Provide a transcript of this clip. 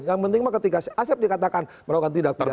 yang penting mah ketika asep dikatakan melakukan tindak pidana